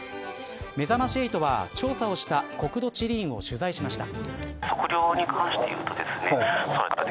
めざまし８は、調査をした国土地理院を取材しました。